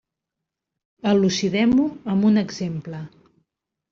Elucidem-ho amb un exemple.